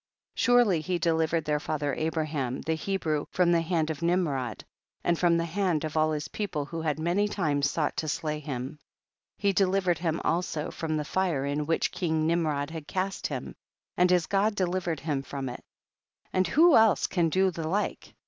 6. Surely he delivered their fath er Abraham, the Hebrew, from the hand of Nimrod, and from the hand of all his people who had many times sought to slay him. 7. He delivered him also from the fire in which king Nimrod had cast him, and his God delivered him from it. 8. And who else can do the like?